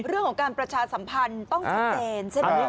เรื่องของการประชาสัมพันธ์ต้องชัดเจนใช่ไหม